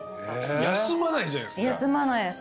休まないじゃないっすか。